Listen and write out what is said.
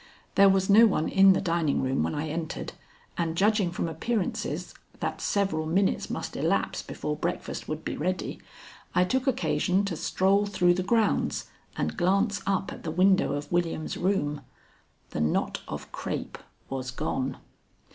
There was no one in the dining room when I entered, and judging from appearances that several minutes must elapse before breakfast would be ready, I took occasion to stroll through the grounds and glance up at the window of William's room. The knot of crape was gone.